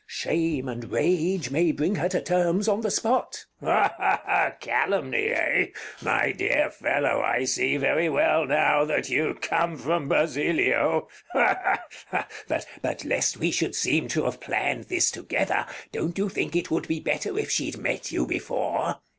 Shame and rage may bring her to terms on the spot. Bartolo Calumny, eh? My dear fellow, I see very well now that you come from Basilio. But lest we should seem to have planned this together, don't you think it would be better if she'd met you before?